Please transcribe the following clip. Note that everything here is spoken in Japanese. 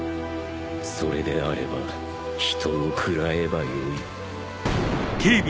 ［それであれば人を喰らえばよい］